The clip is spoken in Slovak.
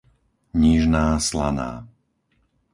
Nižná Slaná